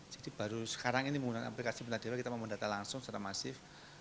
jadi baru sekarang ini menggunakan aplikasi punta dewa kita mau mendata langsung secara masif